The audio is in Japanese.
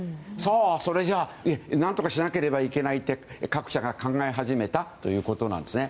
それじゃ何とかしなきゃいけないと各社が考え始めたということですね。